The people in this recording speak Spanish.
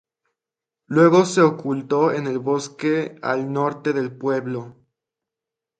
Luego se ocultó en el bosque al Norte del pueblo.